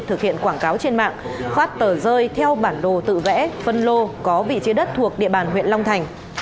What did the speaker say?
thực hiện quảng cáo trên mạng phát tờ rơi theo bản đồ tự vẽ phân lô có vị trí đất thuộc địa bàn huyện long thành